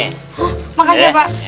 hah makanya pak